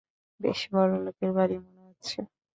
বেশ বড়লোকের বাড়ি মনে হচ্ছে।